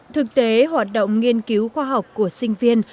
thực tế hoạt động nghiên cứu khoa học của sinh viên